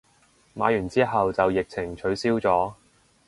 買完之後就疫情取消咗